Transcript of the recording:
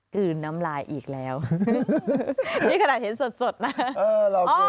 คืนน้ำลายอีกแล้วนี่ขนาดเห็นสดสดนะ